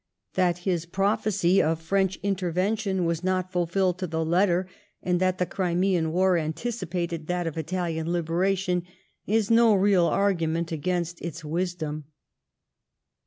'' That his prophecy of French intervention was not fulfilled to the letter^ and that the Crimean war anticipated that of Italian liberation, id no real argument against its wisdom.